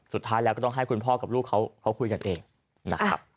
สุดท้ายแล้วก็ต้องให้คุณพ่อกับลูกเขาคุยกันเองนะครับ